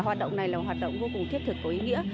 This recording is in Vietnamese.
hoạt động này là hoạt động vô cùng thiết thực có ý nghĩa